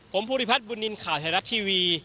ผมภูริพัฒนบุญนินทร์ข่าวไทยรัฐทีวี